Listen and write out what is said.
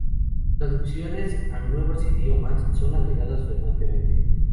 Traducciones a nuevos idiomas son agregadas frecuentemente.